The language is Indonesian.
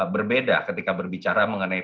berbeda ketika berbicara mengenai